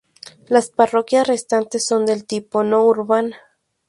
Las parroquias restantes son del tipo no urbana.